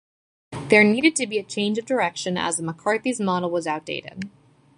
There needed to be a change of direction as the McCarthy's model was outdated.